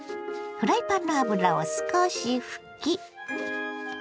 フライパンの油を少し拭き。